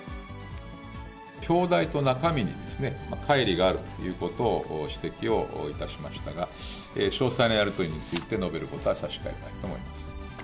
表題と中身にですね、かい離があるということを指摘をいたしましたが、詳細なやり取りについて述べることは差し控えたいと思います。